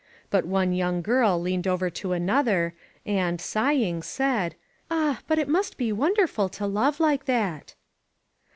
But one young girl leaned over to another, and, sighing, said: "Ah ! But it must be wonderful to love like that